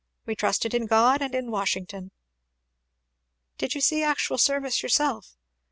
We trusted in God and in Washington!" "Did you see actual service yourself?"